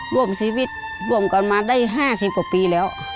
ร่วมชีวิตร่วมกันมาได้๕๐กว่าปีแล้ว